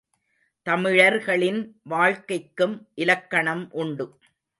தமிழர்களின் வாழ்க்கைக்கும் இலக்கணம் உண்டு.